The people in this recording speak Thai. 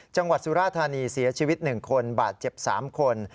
จังหวัดสุราธารณีเสียชีวิต๑คนบาดเจ็บ๓คน